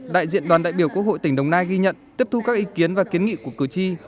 đại diện đoàn đại biểu quốc hội tỉnh đồng nai ghi nhận tiếp thu các ý kiến và kiến nghị của cử tri